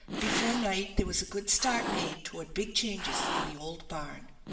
Before night there was a good start made toward big changes in the old barn.